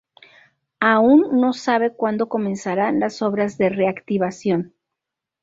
Aún no se sabe cuando comenzarán las obras de re-activación.